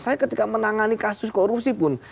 saya ketika menangani kasus korupsi pun